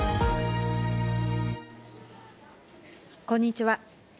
こんにちは。